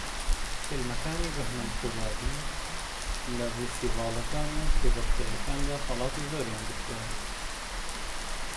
فیلمەکانی بەھمەن قوبادی لە فێستیڤاڵەکان و کێبەرکێکاندا خەڵاتی زۆریان گرتووە